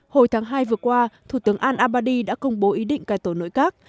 hồi tháng hai vừa qua thủ tướng al abadi đã công bố ý định cài tổ nội các